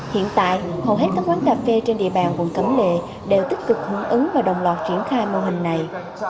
hiện tại hầu hết các quán cà phê trên địa bàn quận cẩm lệ đều tích cực hướng ứng và đồng loạt triển khai mô hình này